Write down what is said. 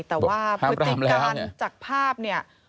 คือติดการจากภาพเนี่ย